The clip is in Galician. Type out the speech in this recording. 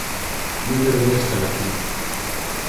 Non debería estar aquí.